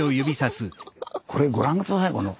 これご覧下さいこの。